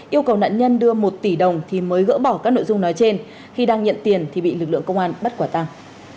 yêu cầu nạn nhân đưa một tỷ đồng thì mới gỡ bỏ các nội dung nói trên khi đang nhận tiền thì bị lực lượng công an bắt quả tăng